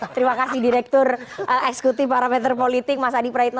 terima kasih direktur ekskuti parameter politik mas adi praetno